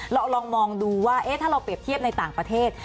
ลองมองดูว่าถ้าเราเปรียบเทียบในต่างประเทศ